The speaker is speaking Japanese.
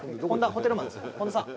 ホテルマンです